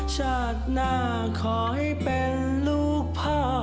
ชาติหน้าขอให้เป็นลูกพ่อ